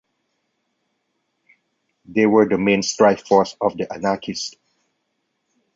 They were the main strike force of the anarchists.